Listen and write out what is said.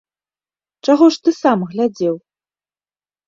Чаго ж ты сам глядзеў?!